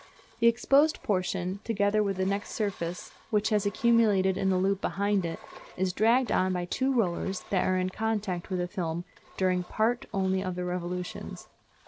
The exposed portion, together with the next surface, which has accumulated in a loop behind it, is dragged on by two rollers that are in contact with the film during part only of their revolutions.